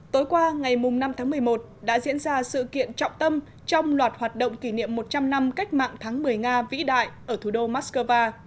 tối qua ngày năm tháng một mươi một đã diễn ra sự kiện trọng tâm trong loạt hoạt động kỷ niệm một trăm linh năm cách mạng tháng một mươi nga vĩ đại ở thủ đô moscow